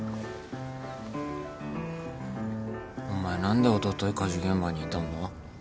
お前何でおととい火事現場にいたんだ？